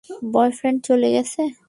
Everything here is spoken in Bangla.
বয়ফ্রেন্ড চলে গেছে?